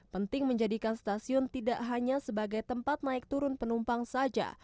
penting menjadikan stasiun tidak hanya sebagai tempat naik turun penumpang saja